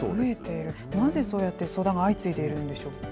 なぜそうやって、相談が相次いでいるんでしょう。